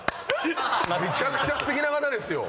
めちゃくちゃすてきな方ですよ。